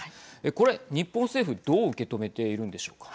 これ日本政府、どう受け止めているんでしょうか。